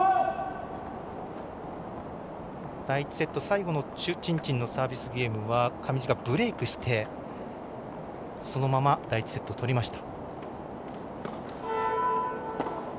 第１セット、最後の朱珍珍のサービスゲームは上地がブレークしてそのまま第１セット取りました。